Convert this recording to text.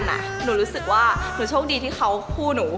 หนูรู้สึกว่าหนูโชคดีที่เขาคู่หนู